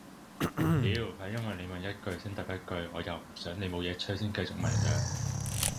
屌係因為你問一句先答一句我又唔想你冇嘢吹先繼續問咋